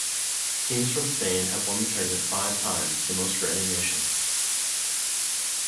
Teams from Spain have won the tournament five times, the most for any nation.